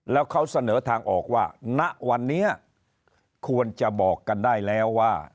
แล้วเขาเสนอทางออกว่าณวันนี้ควรจะบอกกันได้แล้วว่า